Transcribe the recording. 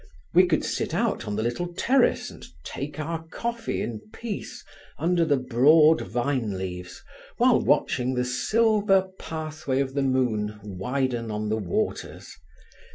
We could sit out on the little terrace and take our coffee in peace under the broad vine leaves while watching the silver pathway of the moon widen on the waters.